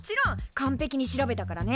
かんぺきに調べたからね。